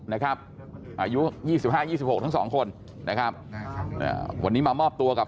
อายุ๒๕๒๖ทั้งสองคนวันนี้มามอบตัวกับ